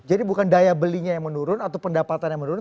jadi bukan daya belinya yang menurun atau pendapatan yang menurun